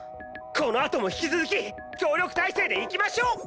このあとも引き続き協力体制でいきましょう！